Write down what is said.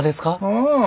うん。